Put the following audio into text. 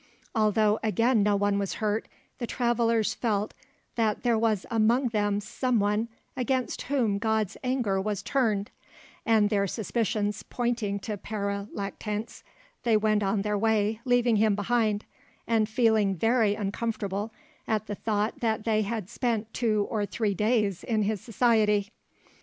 Although again no one was hurt, the travellers felt that there was among them someone against whom God's anger was turned, and their suspicions pointing to Pere Lactance, they went on their way, leaving him behind, and feeling very uncomfortable at the thought that they had spent two or three days in his society.